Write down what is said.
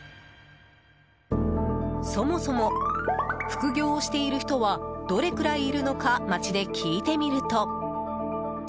そもそも副業をしている人はどれくらいいるのか街で聞いてみると。